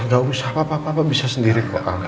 gak usah papa papa bisa sendiri